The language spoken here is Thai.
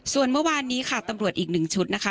ส่วนเมื่อวานนี้ค่ะตำรวจอีกหนึ่งชุดนะคะ